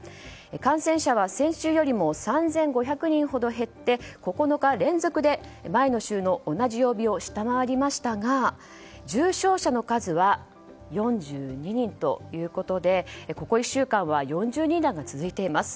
感染者は先週よりも３５００人ほど減って９日連続で前の週の同じ曜日を下回りましたが重症者の数は４２人ということでここ１週間は４０人台が続いています。